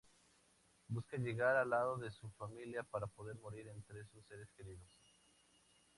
Busca llegar al lado de su familia para poder morir entre sus seres queridos.